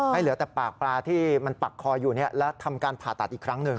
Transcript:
เหลือแต่ปากปลาที่มันปักคออยู่แล้วทำการผ่าตัดอีกครั้งหนึ่ง